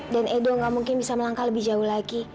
dan edo gak mungkin bisa melangkah lebih jauh lagi